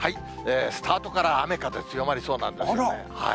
スタートから雨風強まりそうなんですよね。